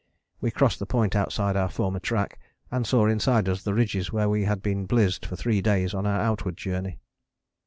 We crossed the point outside our former track, and saw inside us the ridges where we had been blizzed for three days on our outward journey.